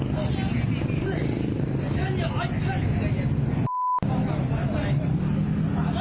กลับมารับทราบ